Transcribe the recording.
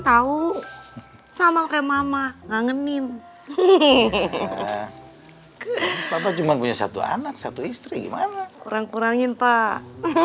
tahu sama kayak mama ngangenin bapak cuma punya satu anak satu istri gimana kurang kurangin pak